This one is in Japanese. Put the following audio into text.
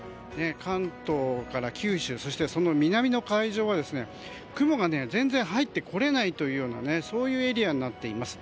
関東から九州そしてその南の海上は雲が全然、入ってこれないというそういうエリアになっています。